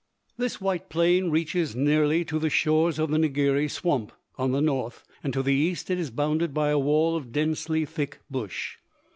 This white plain reaches nearly to the shores of Ngiri Swamp on the north, and to the east it is bounded by a wall of densely thick bush.